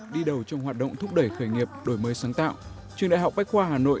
đi đầu trong hoạt động thúc đẩy khởi nghiệp đổi mới sáng tạo trường đại học bách khoa hà nội